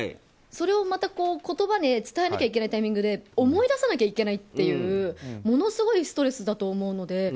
それをまた言葉で伝えなきゃいけないタイミングで思い出さなきゃいけないというものすごいストレスだと思うので。